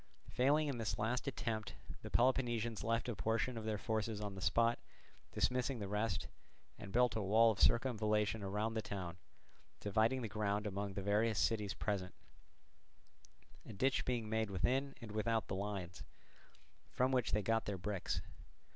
Failing in this last attempt the Peloponnesians left a portion of their forces on the spot, dismissing the rest, and built a wall of circumvallation round the town, dividing the ground among the various cities present; a ditch being made within and without the lines, from which they got their bricks.